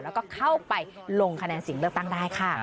แล้วก็เข้าไปลงคะแนนเสียงเลือกตั้งได้ค่ะ